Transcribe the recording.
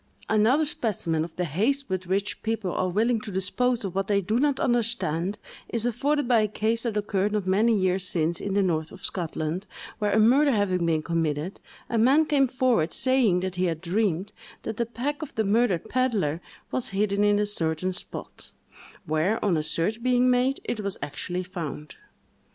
Another specimen of the haste with which people are willing to dispose of what they do not understand, is afforded by a case that occurred not many years since in the north of Scotland, where a murder having been committed, a man came forward, saying that he had dreamed that the pack of the murdered pedlar was hidden in a certain spot; where, on a search being made, it was actually found.